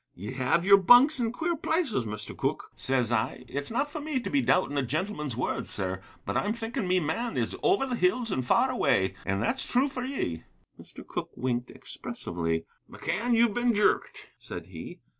'Ye have yer bunks in queer places, Mr. Cooke,' says I. It's not for me to be doubting a gentleman's word, sir, but I'm thinking me man is over the hills and far away, and that's true for ye." Mr. Cooke winked expressively. "McCann, you've been jerked," said he.